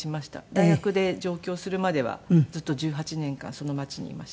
大学で上京するまではずっと１８年間その町にいました。